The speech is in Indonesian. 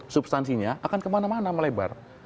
substansinya akan kemana mana melebar